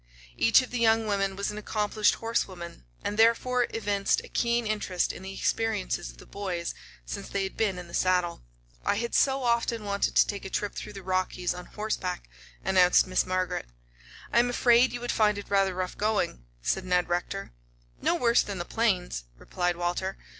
Each of the young women was an accomplished horsewoman, and therefore evinced a keen interest in the experiences of the boys since they had been in saddle. "I had so often wanted to take a trip through the Rockies on horseback," announced Miss Margaret. "I am afraid you would find it rather rough going," said Ned Rector. "No worse than the plains," replied Walter.